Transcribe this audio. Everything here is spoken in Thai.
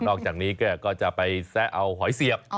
อกจากนี้แกก็จะไปแซะเอาหอยเสียบ